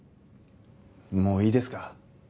もういいですか？